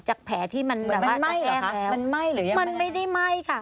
จากแผลที่มันแบบว่าแก้แพ้วมันไม่ได้ไหมคะมันไม่ได้ไหมคะ